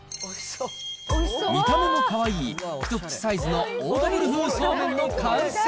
見た目もかわいい、一口サイズのオードブル風そうめんの完成。